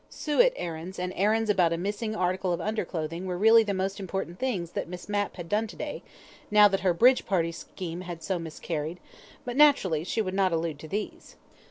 Suet errands and errands about a missing article of underclothing were really the most important things that Miss Mapp had done to day, now that her bridge party scheme had so miscarried, but naturally she would not allude to these.